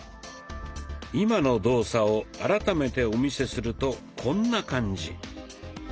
今の動作を改めてお見せするとこんな感じ。